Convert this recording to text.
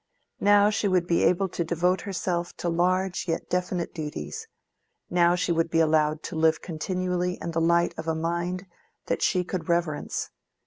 Now she would be able to devote herself to large yet definite duties; now she would be allowed to live continually in the light of a mind that she could reverence.